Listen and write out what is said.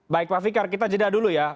baik pak fikar kita jeda dulu ya